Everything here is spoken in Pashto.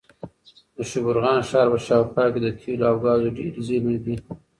د شبرغان ښار په شاوخوا کې د تېلو او ګازو ډېرې زېرمې دي.